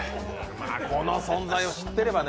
この存在を知っていればね。